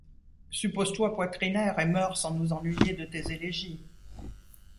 Suppose-toi poitrinaire, et meurs sans nous ennuyer de tes élégies.